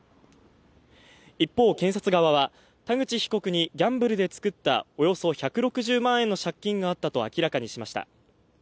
一方、検察側は、田口被告にギャンブルで作ったおよそ１６０万円の借金があったと明らかにしました。